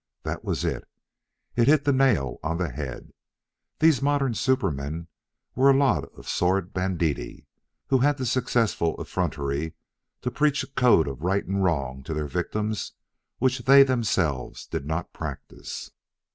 That was it. It hit the nail on the head. These modern supermen were a lot of sordid banditti who had the successful effrontery to preach a code of right and wrong to their victims which they themselves did not practise.